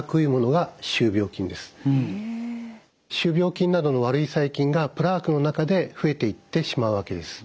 歯周病菌などの悪い細菌がプラークの中で増えていってしまうわけです。